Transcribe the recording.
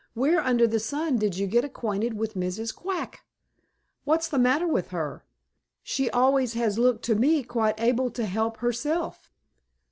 "Where under the sun did you get acquainted with Mrs. Quack? What's the matter with her? She always has looked to me quite able to help herself."